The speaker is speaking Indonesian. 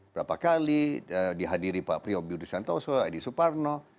berapa kali dihadiri pak prihobjo dsantoso pak edi suparno